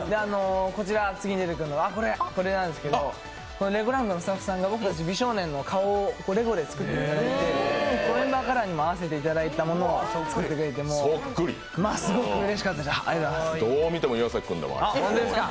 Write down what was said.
次に出てくるのは、これなんですけど、レゴランドのスタッフさんが僕たち美少年の顔をレゴで作ってくださってメンバーカラーにも合わせてくれたものを作ってくれてすごくうれしかったですね。